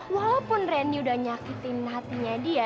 walaupun reni udah nyakitin hatinya dia